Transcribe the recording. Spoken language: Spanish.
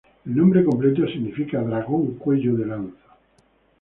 El nombre completo significa "dragón cuello de lanza".